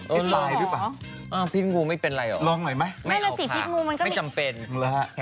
เอ๊ะพิษงูไม่เป็นไรหรอ